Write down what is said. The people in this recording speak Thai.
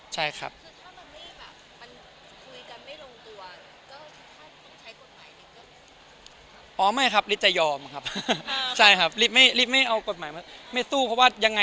ถ้ามันไม่คุยกันพิเศษไม่ลงตัวก็่อนไหนใช้กฎหมายละวันยังไง